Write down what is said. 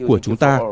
của chúng ta